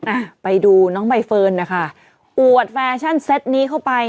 อ่ะไปดูน้องใบเฟิร์นนะคะอวดแฟชั่นเซ็ตนี้เข้าไป